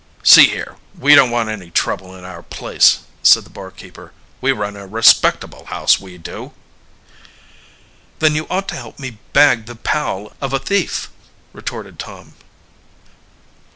"See here, we don't want any trouble in our place," said the barkeeper. "We run a respectable house, we do." "Then you ought to help me bag the pal of a thief," retorted Tom.